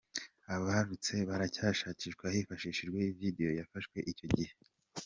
Abamurashe baracyashakishwa hifashishijwe video yafashwe icyo gihe.